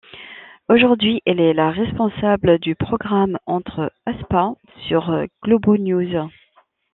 Aujourd'hui, elle est la responsable du programme Entre Aspas, sur GloboNews.